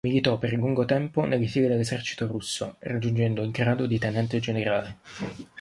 Militò per lungo tempo nelle file dell'esercito russo, raggiungendo il grado di tenente generale.